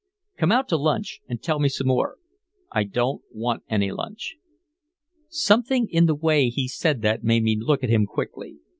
"Come out to lunch and tell me some more." "I don't want any lunch." Something in the way he said that made me look at him quickly.